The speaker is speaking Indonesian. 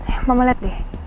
eh mama lihat deh